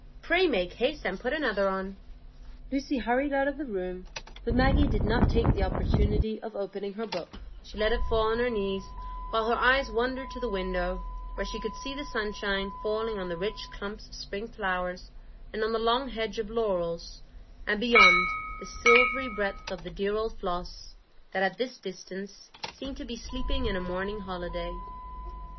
Pray make haste and put another on." Lucy hurried out of the room, but Maggie did not take the opportunity of opening her book; she let it fall on her knees, while her eyes wandered to the window, where she could see the sunshine falling on the rich clumps of spring flowers and on the long hedge of laurels, and beyond, the silvery breadth of the dear old Floss, that at this distance seemed to be sleeping in a morning holiday.